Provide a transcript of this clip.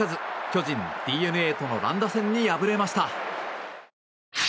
巨人、ＤｅＮＡとの乱打戦に敗れました。